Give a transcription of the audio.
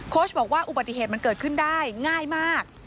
ชบอกว่าอุบัติเหตุมันเกิดขึ้นได้ง่ายมาก